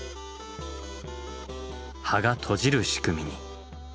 葉が閉じる仕組みに。